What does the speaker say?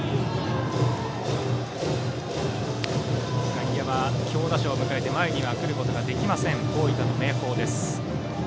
外野は強打者を迎えて前に来ることができません大分の明豊です。